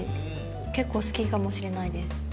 結構好きかもしれないです。